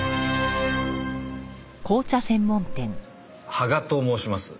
羽賀と申します。